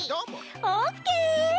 オッケー！